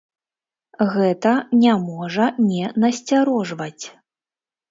Гэта не можа не насцярожваць.